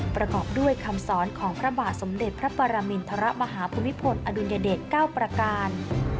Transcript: ประกอบด้วยคำสอนของพระบาทสมเด็จพระปรมินทรมาฮภูมิพลอดุลยเดช๙ประการ